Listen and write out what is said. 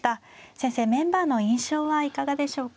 先生メンバーの印象はいかがでしょうか。